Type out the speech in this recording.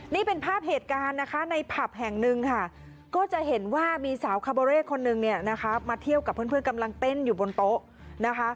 นี่เป็นภาพเหตุการณ์นะคะในผับแห่งหนึ่งค่ะก็จะเห็นว่ามีสาวคาเบอร์เร่คนนึงเนี่ยนะคะมาเที่ยวกับเพื่อนกำลังเต้นอยู่บนโต๊ะนะคะ